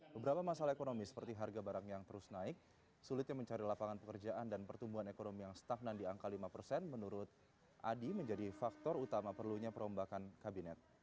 beberapa masalah ekonomi seperti harga barang yang terus naik sulitnya mencari lapangan pekerjaan dan pertumbuhan ekonomi yang stagnan di angka lima persen menurut adi menjadi faktor utama perlunya perombakan kabinet